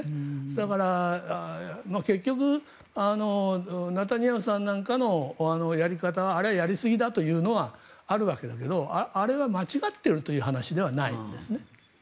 だから、結局ネタニヤフさんなんかのやり方はあれはやりすぎだというのはあるわけだけどあれは間違ってるという話ではないんです。